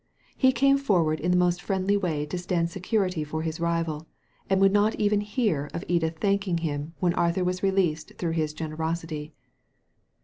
He came forward in the most friendly way to stand security for his rival, and would not even hear of Edith thank ing him when Arthur was released through his generosity.